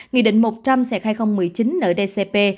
nghị định một trăm linh hai nghìn một mươi chín ndcp